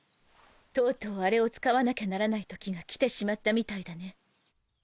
とうとうあれを使わなきゃならない時が来てしまったみたいだね。